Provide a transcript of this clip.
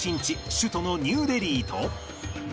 首都のニューデリーと